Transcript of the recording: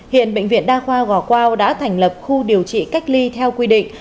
hiện bệnh viện đa khoa gò quao đã thành lập khu điều trị cách ly theo quy định